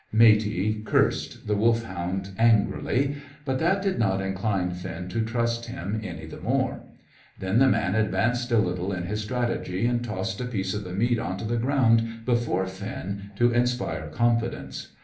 Matey cursed the Wolfhound angrily, but that did not incline Finn to trust him any the more. Then the man advanced a little in his strategy, and tossed a piece of the meat on to the ground, before Finn, to inspire confidence.